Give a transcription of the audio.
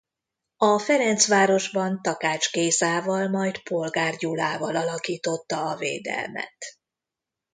A Ferencvárosban Takács Gézával majd Polgár Gyulával alakította a védelmet.